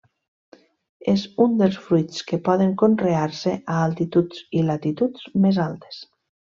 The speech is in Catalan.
És un dels fruits que poden conrear-se a altituds i latituds més altes.